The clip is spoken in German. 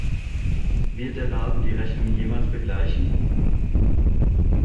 Wird der Laden die Rechnung jemals begleichen?